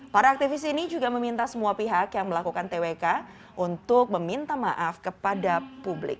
para aktivis ini juga meminta semua pihak yang melakukan twk untuk meminta maaf kepada publik